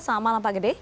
selamat malam pak gede